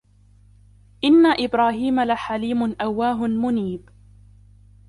إِنَّ إِبْرَاهِيمَ لَحَلِيمٌ أَوَّاهٌ مُنِيبٌ